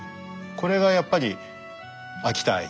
これがやっぱり秋田愛。